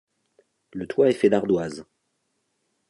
Le toit est fait d'ardoise.